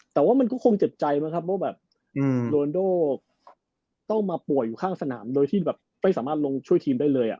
แต่ว่ามันก็คงเจ็บใจมั้งครับว่าแบบโรนโดต้องมาป่วยอยู่ข้างสนามโดยที่แบบไม่สามารถลงช่วยทีมได้เลย